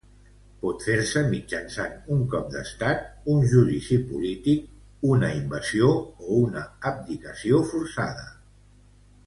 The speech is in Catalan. Pot fer-se mitjançant un cop d'estat, un judici polític, una invasió o una abdicació forçada.